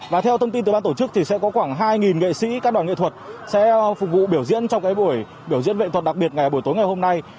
và theo thông tin từ ban tổ chức thì sẽ có khoảng hai nghệ sĩ các đoàn nghệ thuật sẽ phục vụ biểu diễn trong buổi biểu diễn nghệ thuật đặc biệt ngày buổi tối ngày hôm nay